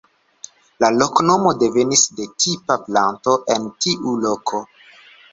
La loknomo devenis de tipa planto en tiu loko.